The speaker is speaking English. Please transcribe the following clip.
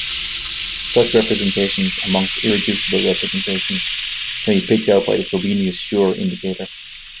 Such representations, amongst irreducible representations, can be picked out by the Frobenius-Schur indicator.